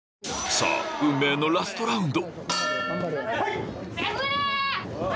さぁ運命のラストラウンド！